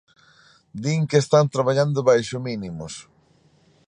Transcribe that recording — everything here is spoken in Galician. Din que están traballando baixo mínimos.